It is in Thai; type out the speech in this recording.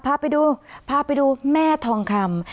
พาไปดูพาไปดูแม่ทองคำ